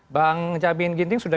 bang jamin ginting sudah